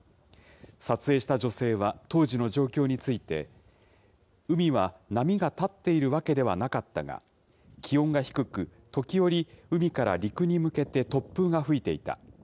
撮影した女性は、当時の状況について、海は波が立っているわけではなかったが、気温が低く、時折、海から陸に向けて突風が吹いていた。